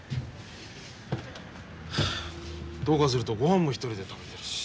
どうかするとごはんも一人で食べてるし。